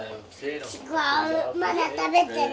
違うまだ食べてる。